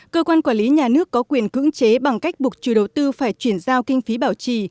cơ quan quản lý nhà nước có quyền cưỡng chế bằng cách buộc chủ đầu tư phải chuyển giao kinh phí bảo trì